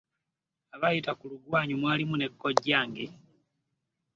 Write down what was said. Abaayita ku lugwanyu mwalimu ne kkojjange.